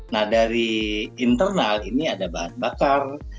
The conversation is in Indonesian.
nah dari internal ini ada bahan bakar